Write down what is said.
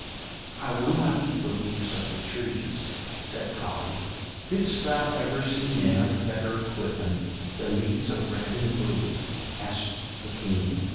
"I will not eat the leaves of the trees," said Collen. "Didst thou ever see men of better equipment than these of red and blue?" asked the king.